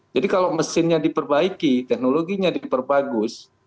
jadi kalau mesinnya diperbaiki teknologinya diperbagus